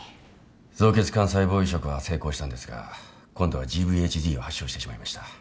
造血幹細胞移植は成功したんですが今度はＧＶＨＤを発症してしまいました。